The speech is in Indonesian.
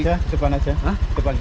di depan aja di depan aja